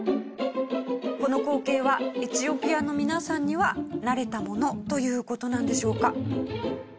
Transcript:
この光景はエチオピアの皆さんには慣れたものという事なんでしょうか？